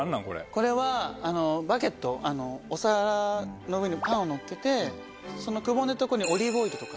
これはバゲットお皿の上にパンをのっけてそのくぼんでるとこにオリーブオイルとか。